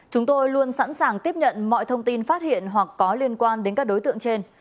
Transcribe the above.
chúng tôi luôn sẵn sàng tiếp nhận mọi thông tin phát hiện hoặc có liên quan đến các đối tượng trên